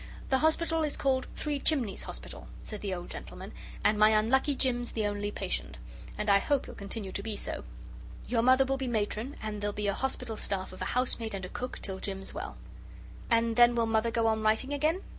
"The Hospital is called Three Chimneys Hospital," said the old gentleman, "and my unlucky Jim's the only patient, and I hope he'll continue to be so. Your Mother will be Matron, and there'll be a hospital staff of a housemaid and a cook till Jim's well." "And then will Mother go on writing again?"